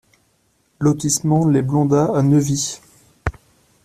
Lotissement Les Blondats à Neuvy